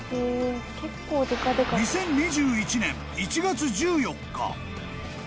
［２０２１年１月１４日］